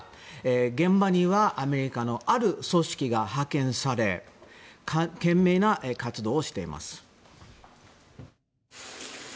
現場にはアメリカのある組織が派遣され懸命な活動をしています。